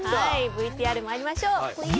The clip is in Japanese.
ＶＴＲまいりましょう。